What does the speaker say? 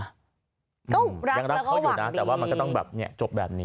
ก็รักแล้วก็หวังดียังรักเขาอยู่นะแต่ว่ามันก็ต้องจบแบบนี้